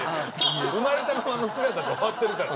「生まれたままの姿」で終わってるから。